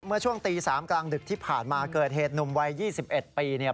เมื่อช่วงตี๓กลางดึกที่ผ่านมาเกิดเหตุหนุ่มวัย๒๑ปีเนี่ย